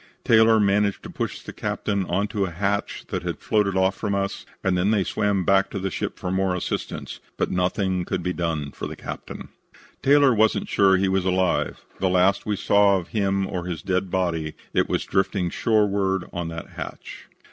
Taylor managed to push the captain on to a hatch that had floated off from us and then they swam back to the ship for more assistance, but nothing could be done for the captain. Taylor wasn't sure he was alive. The last we saw of him or his dead body it was drifting shoreward on that hatch.